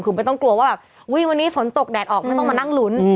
คือไม่ต้องกลัวว่าแบบอุ้ยวันนี้ฝนตกแดดออกไม่ต้องมานั่งลุ้น